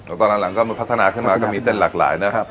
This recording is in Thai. แล้วตอนหลังก็พัฒนาขึ้นมาก็มีเส้นหลากหลายนะครับ